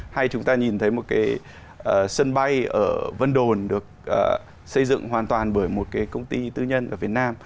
hay chúng ta nhìn thấy một cái sân bay ở vân đồn được xây dựng hoàn toàn bởi một cái công ty tư nhân ở việt nam